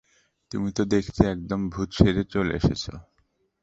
তুমি তো দেখছি একদম ভুত সেজে চলে এসেছ।